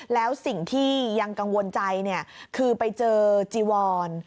แล้วสิ่งที่ยังกังวลใจคือไปเจอจีวอน